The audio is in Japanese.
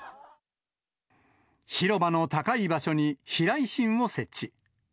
広場の高い場所に避雷針を設置。